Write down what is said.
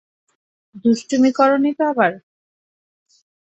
দুষ্টুমি করনি তো আবার?